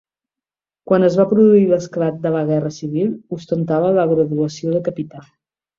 Quan es va produir l'esclat de la Guerra civil, ostentava la graduació de capità.